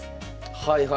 はいはい。